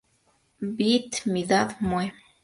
Beat Me Daddy Moe".